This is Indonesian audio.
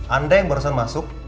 anda yang barusan masuk